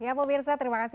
ya pemirsa terima kasih